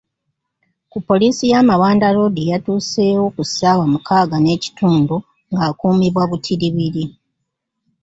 Ku poliisi ya Mawanda Road yatuuseewo ku ssaawa mukaaga n'ekitundu ng'akuumibwa butiribiri.